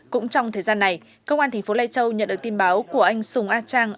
cũng trong thời gian này công an thành phố lai châu nhận được tin báo của anh sùng a trang